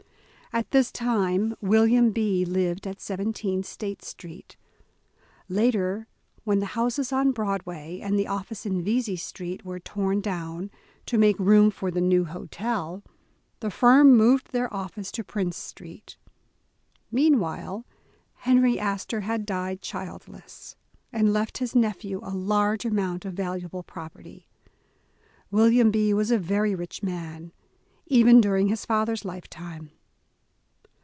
At this time William B. lived at 17 State Street. Later, when the houses on Broadway, and the office in Vesey Street, were torn down to make room for the new hotel, the firm moved their office to Prince Street. Meanwhile, Henry Astor had died childless, and left his nephew a large amount of valuable property. Wil V liam B. was a very rich man even during his father's lifetime.